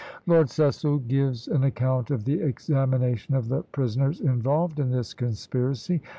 Lord Cecil gives an account of the examination of the prisoners involved in this conspiracy.